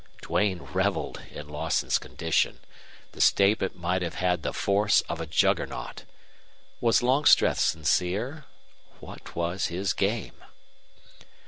Duane reveled in Lawson's condition. The statement might have had the force of a juggernaut. Was Longstreth sincere? What was his game?